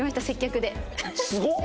すごっ！